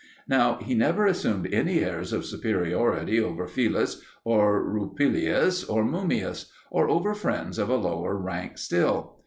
Now he never assumed any airs of superiority over Philus, or Rupilius, or Mummius, or over friends of a lower rank still.